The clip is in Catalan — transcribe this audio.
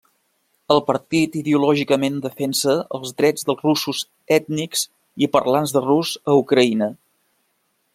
El partit ideològicament defensa els drets dels russos ètnics i parlants de rus a Ucraïna.